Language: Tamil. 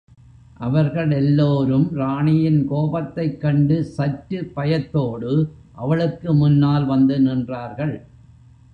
அவர்கள் எல்லோரும் ராணியின் கோபத்தைக் கண்டு சற்று பயத்தோடு அவளுக்கு முன்னால் வந்து நின்றார்கள்.